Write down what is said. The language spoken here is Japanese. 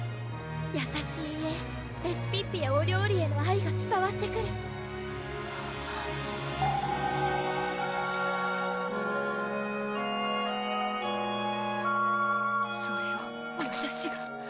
やさしい絵レシピッピやお料理への愛がつたわってくるそれをわたしが？